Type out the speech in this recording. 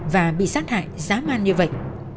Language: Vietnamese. và bị sát hại giá man như vậy